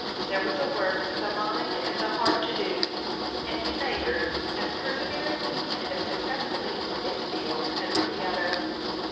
There was a work for the mind and the heart to do, and he labored as perseveringly and as successfully in this field as in the other.